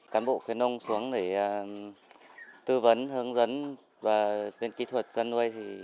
cán bộ khuyến nông xuống để tư vấn hướng dẫn và khuyến kỹ thuật chăn nuôi